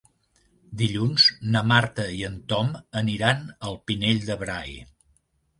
Dilluns na Marta i en Tom aniran al Pinell de Brai.